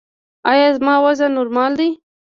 ایا زما وزن نورمال دی؟